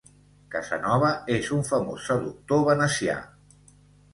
Casanova és un famós seductor venecià.